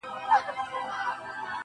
په کومه ورځ چي مي ستا پښو ته سجده وکړله.